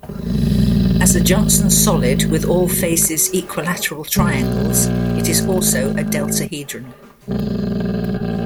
As a Johnson solid with all faces equilateral triangles, it is also a deltahedron.